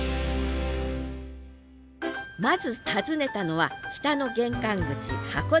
まず訪ねたのは北の玄関口函館の象徴！